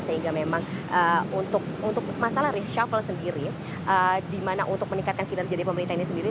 sehingga memang untuk masalah reshuffle sendiri di mana untuk meningkatkan kinerja dari pemerintah ini sendiri